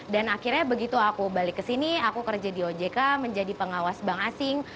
dan akhirnya begitu aku balik ke sini aku kerja di ojk menjadi pengawas bank asing